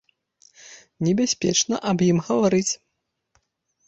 Небяспечна аб ім гаварыць.